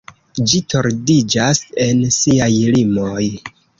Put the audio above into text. Ĝi tordiĝas en siaj limoj.